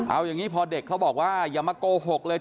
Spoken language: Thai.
เอาอย่างนี้พอเด็กเขาบอกว่าอย่ามาโกหกเลย